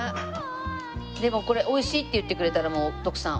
でもこれ美味しいって言ってくれたらもう徳さん